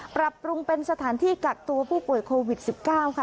ปรับปรุงเป็นสถานที่กักตัวผู้ป่วยโควิด๑๙ค่ะ